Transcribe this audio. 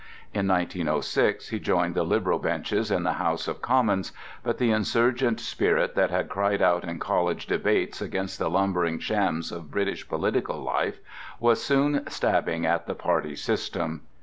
In 1906 he joined the Liberal benches in the House of Commons, but the insurgent spirit that had cried out in college debates against the lumbering shams of British political life was soon stabbing at the party system.